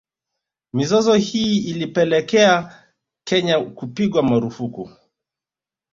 Mizozo hii ilipelekea Kenya kupigwa marufuku